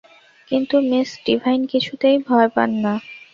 কিন্তু miss Divine কিছুতেই ভয় পান না।